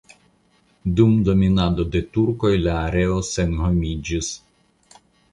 Dum dominado de turkoj la areo senhomiĝis.